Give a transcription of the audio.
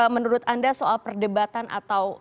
menurut anda soal perdebatan atau